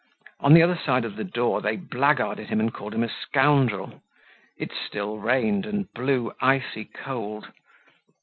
On the other side of the door they blackguarded him and called him a scoundrel. It still rained and blew icy cold.